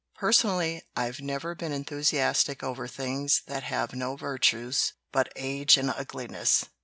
"Personally, I've never been enthusiastic over things that have no virtues but age and ugliness.